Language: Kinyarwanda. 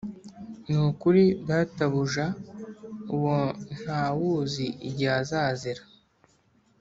n'ukuri, databuja uwo, nta wuzi igihe azazira.